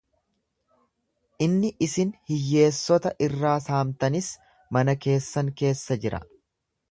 Inni isin hiyyeessota irraa saamtanis mana keessan keessa jira.